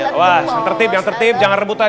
awas yang tertib jangan tertib jangan rebutan